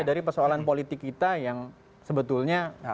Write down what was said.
dari persoalan politik kita yang sebetulnya